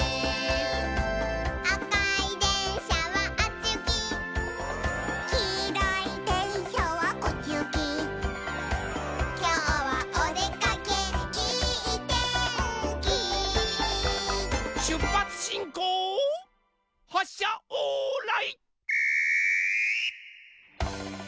「あかいでんしゃはあっちゆき」「きいろいでんしゃはこっちゆき」「きょうはおでかけいいてんき」しゅっぱつしんこうはっしゃオーライ。